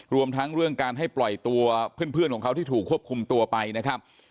รวมทั้งเรื่องการให้ปล่อยตัวเพื่อนของเขาที่ถูกควบคุมตัวไปนะครับ